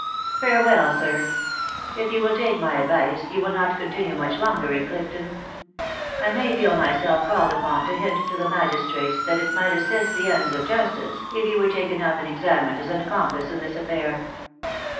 Farewell, sir !.... If you will takev my advice, you will not continue much longer in Clifton. ... I may feel myself called upon to hint to the magistrates that it might assist the ends of justice if you were taken up and examined as an accomplice in this affair."